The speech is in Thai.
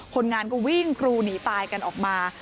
คนงานก็วิ่งกรูหนีตายกันออกมา